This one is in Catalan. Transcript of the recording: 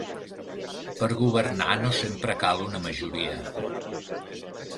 Per governar no sempre cal una majoria.